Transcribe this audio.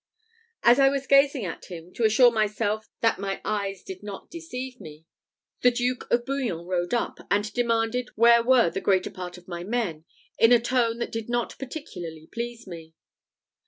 As I was gazing at him, to assure myself that my eyes did not deceive me, the Duke of Bouillon rode up, and demanded where were the greater part of my men, in a tone that did not particularly please me.